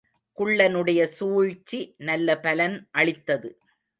குள்ளனுடைய சூழ்ச்சி நல்ல பலன் அளித்தது.